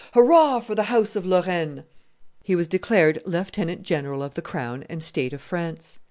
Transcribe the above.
hurrah for the house of Lorraine!" He was declared lieutenant general of the crown and state of France.